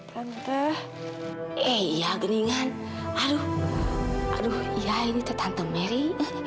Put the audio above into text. tante eh iya geningan aduh aduh iya ini tante merry